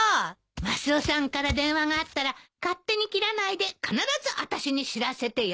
マスオさんから電話があったら勝手に切らないで必ずあたしに知らせてよ。